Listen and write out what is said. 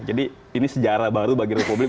jadi ini sejarah baru bagi republik